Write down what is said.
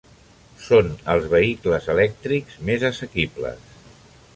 Són els vehicles elèctrics més assequibles.